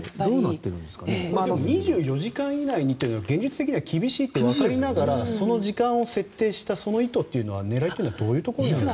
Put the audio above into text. ２４時間以内にというのは現実的には厳しいと分かりながらその時間を設定したその意図はどういうところにありますか。